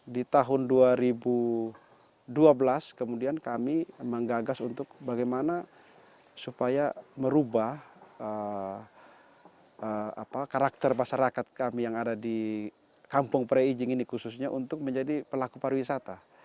di tahun dua ribu dua belas kemudian kami menggagas untuk bagaimana supaya merubah karakter masyarakat kami yang ada di kampung preijing ini khususnya untuk menjadi pelaku pariwisata